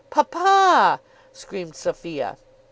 ] "Papa!" screamed Sophia.